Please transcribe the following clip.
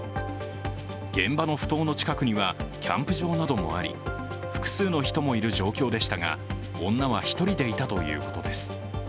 現場のふ頭の近くにはキャンプ場などもあり複数の人もいる状況でしたが、女は１人でいたということです。